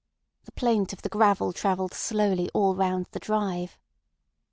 The plaint of the gravel travelled slowly all round the drive.